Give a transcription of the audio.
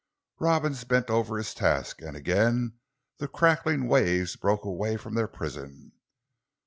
Robins bent over his task, and again the crackling waves broke away from their prison.